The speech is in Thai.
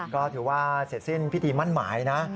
ก็ถือว่าเสร็จสิ้นพิธีมั่นหมายนะ